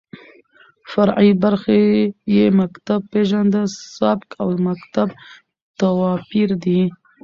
فرعي برخې يې مکتب پېژنده، سبک او مکتب تواپېر دى.